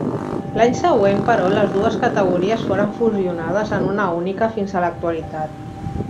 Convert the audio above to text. L'any següent, però, les dues categories foren fusionades en una única fins a l'actualitat.